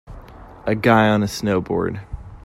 A guy on a snowboard